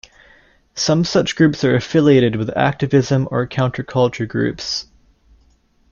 Some such groups are affiliated with activism or counterculture groups.